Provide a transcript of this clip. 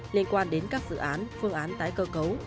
liên quan đến các dự án phương án tái cơ cấu